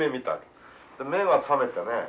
目が覚めてね